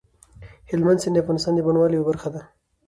هلمند سیند د افغانستان د بڼوالۍ یوه برخه ده.